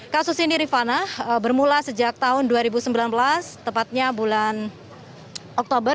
kasus ini rifana bermula sejak tahun dua ribu sembilan belas tepatnya bulan oktober